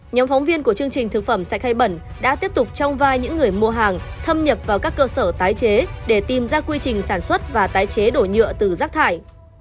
nhóm phóng viên của chương trình thực phẩm sạch hay bẩn đã tiếp tục trong vai những người mua hàng thâm nhập vào các cơ sở tái chế để tìm ra quy trình sản xuất và tái chế đổ nhựa từ rác thải